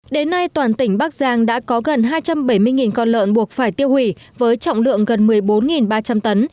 đến nay toàn tỉnh bắc giang đã có gần hai trăm bảy mươi con lợn buộc phải tiêu hủy với trọng lượng gần một mươi bốn ba trăm linh tấn